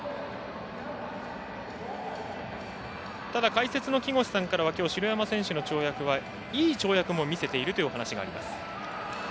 解説の木越さんからは城山の跳躍はいい跳躍も見せているというお話があります。